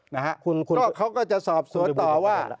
นะฮะคุณก็เขาก็จะสอบสวนต่อว่า